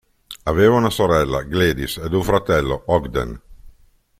Aveva una sorella, Gladys e un fratello, Ogden.